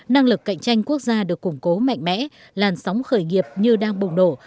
năng lực cạnh tranh quốc gia được củng cố mạnh mẽ làn sóng khởi nghiệp như đang bụng đổ